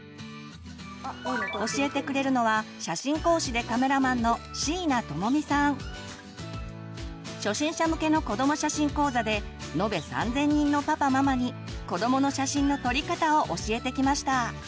教えてくれるのは初心者向けの子ども写真講座で延べ３，０００人のパパママに子どもの写真の撮り方を教えてきました。